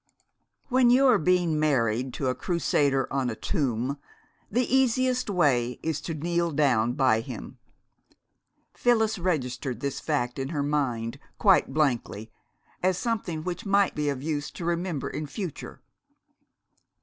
... When you are being married to a Crusader on a tomb, the easiest way is to kneel down by him. Phyllis registered this fact in her mind quite blankly, as something which might be of use to remember in future....